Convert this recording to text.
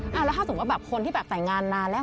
แล้วถ้าสมมติว่าคนที่แต่งงานนานแล้ว